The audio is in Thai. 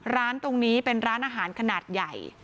ร้านตรงนี้เป็นร้านอาหารขนาดใหญ่